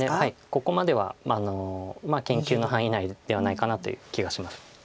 ここまでは研究の範囲内ではないかなという気がします。